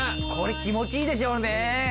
これ気持ちいいでしょうね。